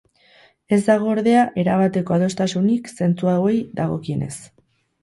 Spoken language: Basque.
Ez dago, ordea, erabateko adostasunik zentzu hauei dagokienez.